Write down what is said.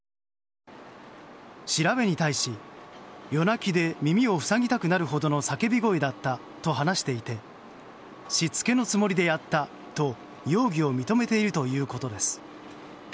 調べに対し、夜泣きで耳を防ぎたくなるほどの叫び声だったと話していてしつけのつもりでやったと容疑を認めているということです。